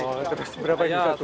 oh terus berapa yang bisa tuang